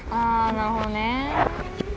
なるほどね。